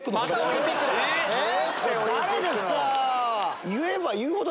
誰ですか？